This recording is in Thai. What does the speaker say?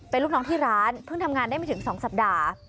เป็นลูกน้องที่ร้านเพิ่งทำงานได้ไม่ถึง๒สัปดาห์